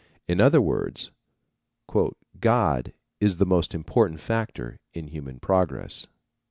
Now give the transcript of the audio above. In other words "God is the most important factor in human progress."